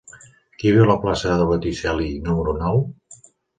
Qui viu a la plaça de Botticelli número nou?